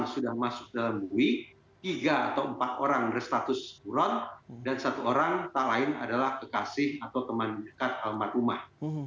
sudah masuk dalam mui tiga atau empat orang berstatus buron dan satu orang tak lain adalah kekasih atau teman dekat almarhumah